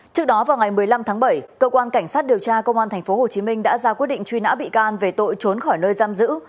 trước đó vào ngày một mươi năm tháng bảy cơ quan cảnh sát điều tra công an tp hcm đã ra quyết định truy nã bị can về tội trốn khỏi nơi giam giữ